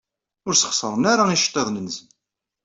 Ur sxeṣren ara iceḍḍiḍen-nsen.